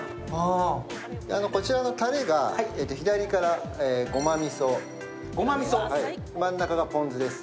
こちらのたれが左から胡麻みそ、真ん中がポン酢です。